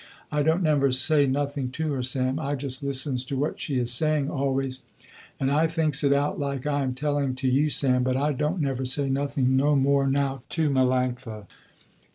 I don't never say nothing to her Sam. I just listens to what she is saying always, and I thinks it out like I am telling to you Sam but I don't never say nothing no more now to Melanctha.